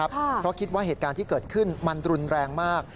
เพราะคิดว่าเหตุการณ์ที่เกิดขึ้นมันรุนแรงมาก